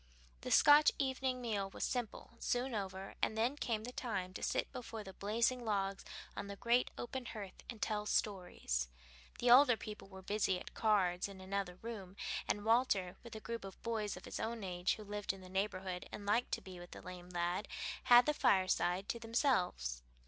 The Scotch evening meal was simple, soon over, and then came the time to sit before the blazing logs on the great open hearth and tell stories. The older people were busy at cards in another room, and Walter, with a group of boys of his own age who lived in the neighborhood and liked to be with the lame lad, had the fireside to themselves.